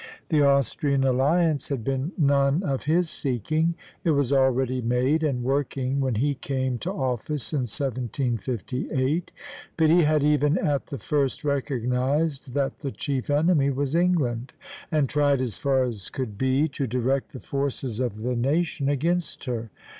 The Austrian alliance had been none of his seeking; it was already made and working when he came to office in 1758; but he had even at the first recognized that the chief enemy was England, and tried as far as could be to direct the forces of the nation against her.